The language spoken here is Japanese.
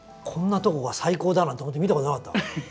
こんなとこが最高だなんて思って見たことなかった。